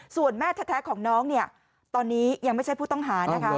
ส่วนแม่แท้ของน้องตอนนี้ยังไม่ใช่ผู้ต้องหา